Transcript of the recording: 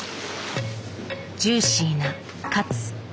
ジューシーなカツ。